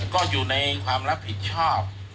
ก็อยู่ในความรับผิดชอบ